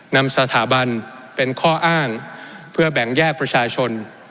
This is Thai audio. นำสถาบันเป็นข้ออ้างเพื่อแบ่งแยกประชาชน